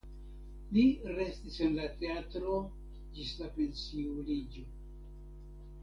Li restis en la teatro ĝis la pensiuliĝo.